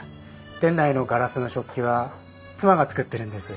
店内のガラスの食器は妻が作ってるんです。